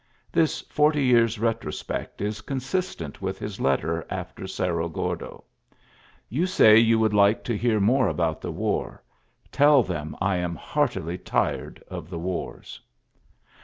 This forty years' retrospect is consistent with his letter after Oerro Gordo: "You say you would like to hear more about the war. ... Tell them I am heartily tired of the wars."